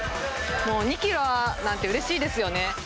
もう２キロなんてうれしいですよね。